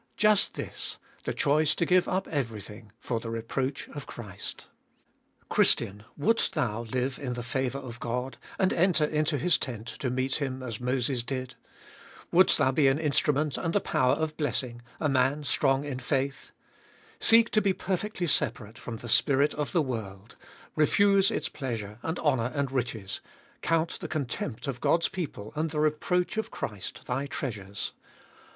Just this — the choice to give up everything for the reproach of Christ. Christian, wouldst thou live in the favour of God, and enter into His tent to meet Him as Moses did ? wouldst thou be an instrument and a power of blessing, a man strong in faith ?— seek to be perfectly separate from the spirit of the world, refuse its pleasure and honour and riches ; count the contempt of God's people and the reproach of Christ thy trea 460 Gbe tjoltest of nil sures.